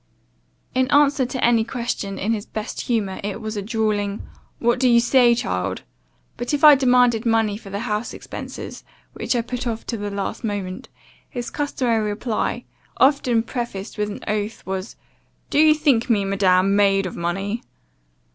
In answer to any question, in his best humour, it was a drawling 'What do you say, child?' But if I demanded money for the house expences, which I put off till the last moment, his customary reply, often prefaced with an oath, was, 'Do you think me, madam, made of money?